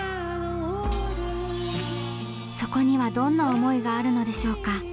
そこにはどんな思いがあるのでしょうか。